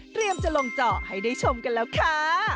เตรียมจะลงจอให้ได้ชมกันแล้วค่ะ